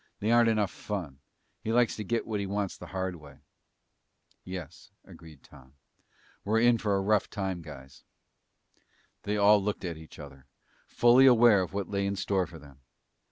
"They aren't enough fun. He likes to get what he wants the hard way." "Yes," agreed Tom. "We're in for a rough time, guys." They all looked at each other, fully aware of what lay in score for them.